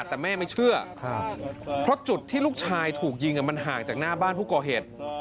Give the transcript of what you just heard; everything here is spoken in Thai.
แต่แม่ไม่เชื่อเพราะจุดที่ลูกชายถูกยิงมันห่างจากหน้าบ้านผู้ก่อเหตุ